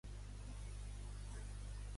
Urgeix a Sext perquè assassine l'emperador.